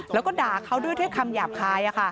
แล้วก็ด่าเขาด้วยคำหยาบคาย